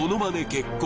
結婚